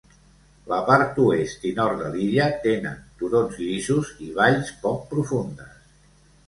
La part oest i nord de l'illa tenen turons llisos i valls poc profundes.